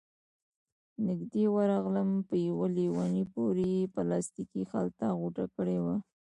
نږدې ورغلم، په يوه ليوني پورې يې پلاستيکي خلطه غوټه کړې وه،